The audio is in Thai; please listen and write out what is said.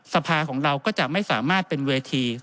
สภาของเราก็จะไม่สามารถเป็นเวที